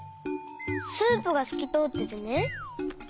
スープがすきとおっててね。